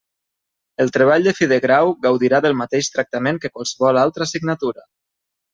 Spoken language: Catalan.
El treball de fi de grau gaudirà del mateix tractament que qualsevol altra assignatura.